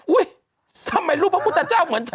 ทำไมรูปพระพุทธเจ้าเหมือนเธอ